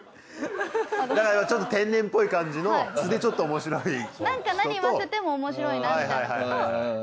だからちょっと天然っぽい感じの素でちょっとおもしろい人と。